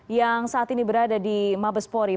yang saat ini berada di mabespori